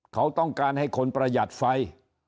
เขาต้องการให้คนประหยัดไฟ